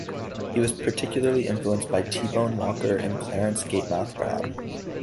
He was particularly influenced by T-Bone Walker and Clarence "Gatemouth" Brown.